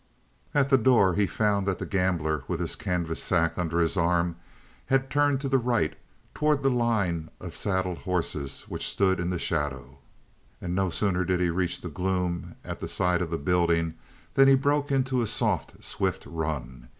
At the door he found that the gambler, with his canvas sack under his arm, had turned to the right toward the line of saddle horses which stood in the shadow; and no sooner did he reach the gloom at the side of the building than he broke into a soft, swift run.